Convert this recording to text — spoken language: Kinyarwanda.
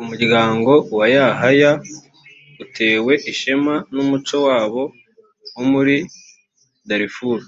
umuryango wa yahya utewe ishema n’ umuco wabo wo muri darfur.